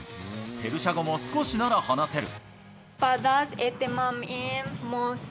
ペルシャ語も少しなら話せる。